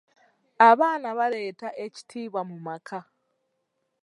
Abaana baleeta ekitiibwa mu maka.